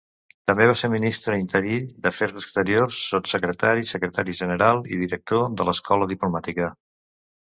També va ser ministre interí d'Afers Exteriors, sotssecretari, secretari general i director de l'Escola Diplomàtica.